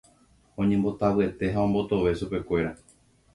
Oñembotavyete ha ombotove chupekuéra.